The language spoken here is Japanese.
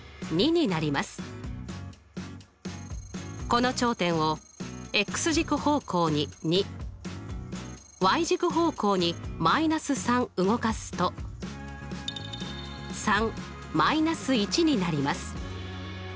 この頂点を軸方向に２軸方向に−３動かすとになります。